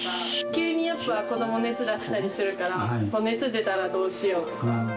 急にやっぱ、子ども熱出したりするから、熱出たらどうしようとか。